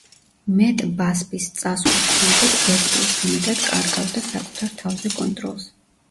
მეტ ბასბის წასვლის შემდეგ ბესტი უფრო მეტად კარგავდა საკუთარ თავზე კონტროლს.